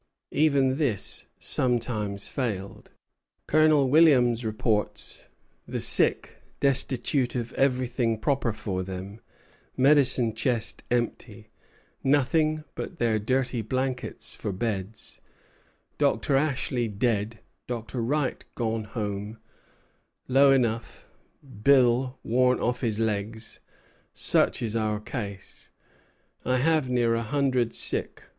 Even this sometimes failed. Colonel Williams reports "the sick destitute of everything proper for them; medicine chest empty; nothing but their dirty blankets for beds; Dr. Ashley dead, Dr. Wright gone home, low enough; Bille worn off his legs, such is our case. I have near a hundred sick.